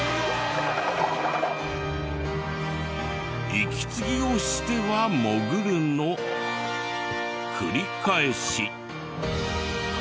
息継ぎをしては潜るの繰り返し。